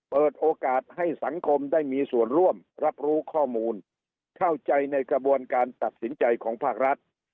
เปิดโอกาสให้สังคมได้มีส่วนร่วมรับรู้ข้อมูลเข้าใจในกระบวนการตัดสินใจของภาครัฐ